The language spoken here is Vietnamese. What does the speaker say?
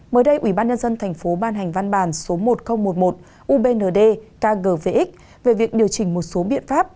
mới đây ubnd tp ban hành văn bản số một nghìn một mươi một ubnd kgvx về việc điều chỉnh một số biện pháp